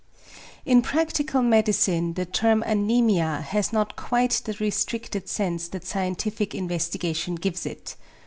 In practical medicine the term "anæmia" has not quite the restricted sense that scientific investigation gives it.